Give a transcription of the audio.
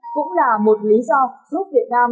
cũng là một lý do giúp việt nam